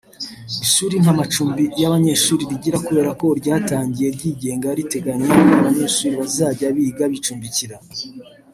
Ishuri nta macumbi y’abanyeshuri rigira kubera ko ryatangiye ryigenga riteganya ko abanyeshuri bazajya biga bicumbikira